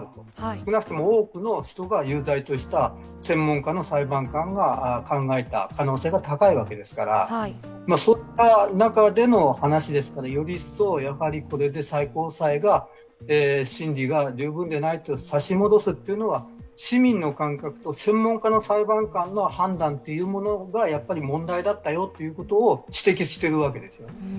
少なくとも多くの人が有罪とした裁判官が考えた可能性が高いわけですから、そんな中での話ですからより一層、これで最高裁が審理が十分でないという、差し戻すというのは市民の感覚と専門家の裁判官の判断が問題だったよということを指摘しているわけです。